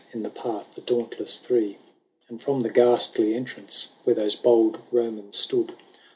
In the path the dauntless Three : And, from the ghastly entrance "Where those bold Romans stood.